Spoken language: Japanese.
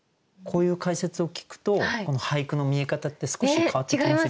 こういう解説を聞くとこの俳句の見え方って少し変わってきませんか？